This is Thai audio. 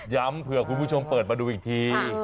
เผื่อคุณผู้ชมเปิดมาดูอีกที